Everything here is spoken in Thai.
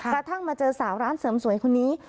กระทั่งมาเจอสาวร้านเสริมสวยคนนี้